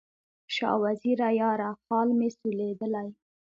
شاه وزیره یاره، خال مې سولېدلی